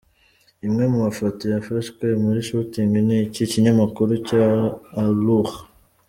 Imwe mu mafoto yafashwe muri 'shooting' n'iki kinyamakuru cya Allure.